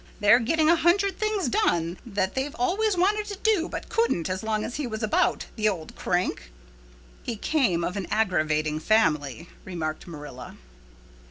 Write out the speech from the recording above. They're getting a hundred things done that they've always wanted to do but couldn't as long as he was about, the old crank." "He came of an aggravating family," remarked Marilla.